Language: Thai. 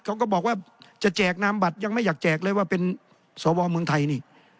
เขาก็บอกว่าจะแจกนามบัตรยังไม่อยากแจกเลยว่าเป็นสวเมืองไทยนี่